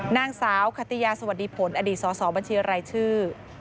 นางสาวคติยาสวัสดีผลอดีตสอบัญชีรายชื่อ